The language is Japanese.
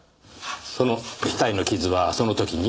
その額の傷はその時に？